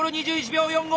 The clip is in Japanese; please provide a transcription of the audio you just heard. ２１秒４５！